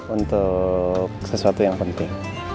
untuk sesuatu yang penting